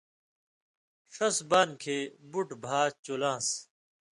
ݜس بانیۡ کھیں بُٹ بھاں چُلان٘س۔